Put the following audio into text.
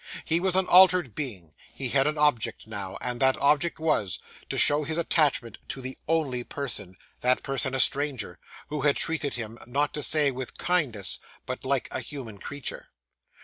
He was an altered being; he had an object now; and that object was, to show his attachment to the only person that person a stranger who had treated him, not to say with kindness, but like a human creature.